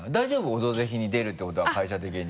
「オドぜひ」に出るってことは会社的に。